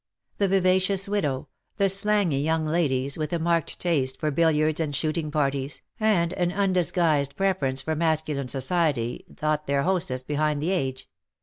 The vivacious widow, the slangy youn^ ladies, with a marked taste for billiards and shooting parties, and an undisguised preference for masculine society, thought their hostess behind the age.